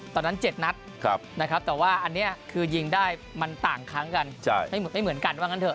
ตอนนั้น๗นัดนะครับแต่ว่าอันนี้คือยิงได้มันต่างครั้งกันไม่เหมือนกันว่างั้นเถ